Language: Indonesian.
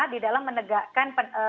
di dalam menegakkan